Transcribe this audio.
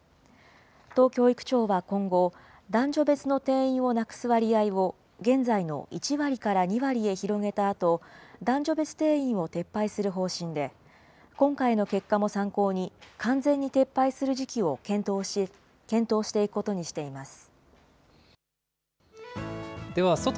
都教育庁は今後、男女別の定員をなくす割合を現在の１割から２割へ広げたあと、男女別定員を撤廃する方針で、今回の結果も参考に、完全に撤廃する時期を検討していくことにしています。